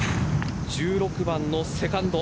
１６番のセカンド。